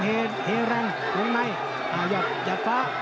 หลวงในหยาดฟ้า